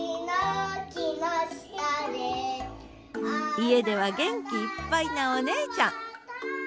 家では元気いっぱいなお姉ちゃん！